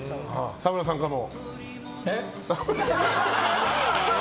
沢村さんからも。